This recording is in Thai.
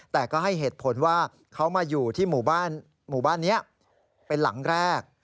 แต่ก็ให้เหตุผลว่าเขามาอยู่ที่หมู่บ้านนี้เป็นหลังแรก